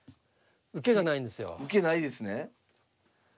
受けないですね。